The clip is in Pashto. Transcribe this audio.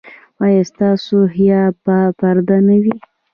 ایا ستاسو حیا به پرده نه وي؟